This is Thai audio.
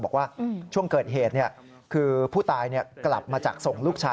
บอกว่าช่วงเกิดเหตุคือผู้ตายกลับมาจากส่งลูกชาย